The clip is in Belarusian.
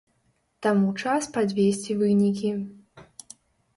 Таму час падвесці вынікі.